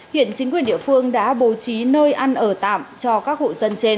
hiện chính quyền địa phương đã bố trí nơi ăn ở tạm cho các hộ dân trên